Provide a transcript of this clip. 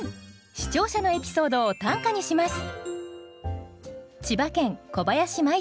視聴者のエピソードを短歌にします。